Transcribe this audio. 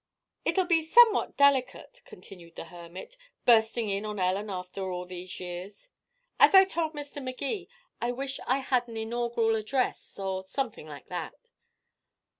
"It'll be somewhat delicate," continued the hermit, "bursting in on Ellen after all these years. As I told Mr. Magee, I wish I had an inaugural address, or something like that."